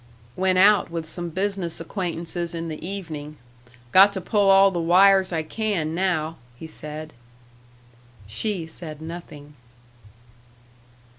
"Went out with some business acquaintances in the evening got to pull all the wires I can now," he said. She said nothing.